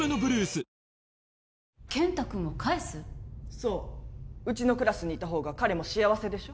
そううちのクラスにいた方が彼も幸せでしょ？